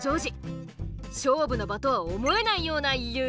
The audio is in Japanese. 勝負の場とは思えないようなゆるい感じ。